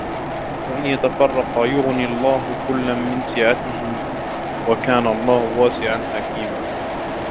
وإن يتفرقا يغن الله كلا من سعته وكان الله واسعا حكيما